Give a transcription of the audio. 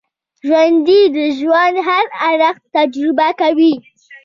ژوندي د ژوند هر اړخ تجربه کوي